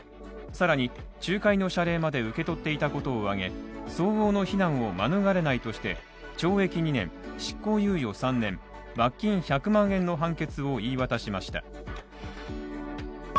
更に仲介の謝礼まで受け取っていたことを挙げ相応の非難を免れないとして懲役２年執行猶予３年、罰金１００万円の判決を言い渡しました。